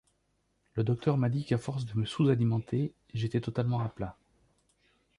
Le docteur m'a dit qu'à force de me sous-alimenter, j'étais totalement à plat.